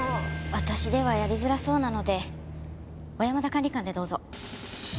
私ではやりづらそうなので小山田管理官でどうぞ。